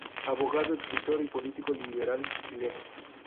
Abogado, escritor y político liberal chileno.